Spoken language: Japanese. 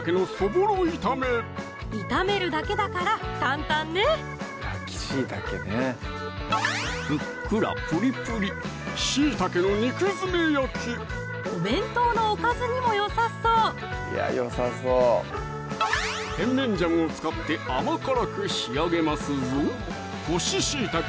炒めるだけだから簡単ねふっくらプリプリお弁当のおかずにもよさそうテンメンジャンを使って甘辛く仕上げますぞ